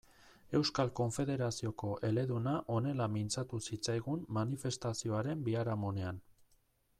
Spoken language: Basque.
Euskal Konfederazioko eleduna honela mintzatu zitzaigun manifestazioaren biharamunean.